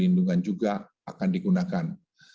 lindungan juga akan digunakan